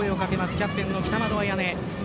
キャプテンの北窓絢音。